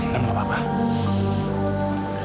nenek apa kabar